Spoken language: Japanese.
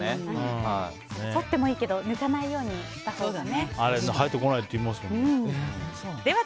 そってもいいけど抜かないようにしましょうね。